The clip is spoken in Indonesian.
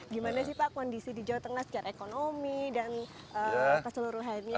gimana sih pak kondisi di jawa tengah secara ekonomi dan keseluruhannya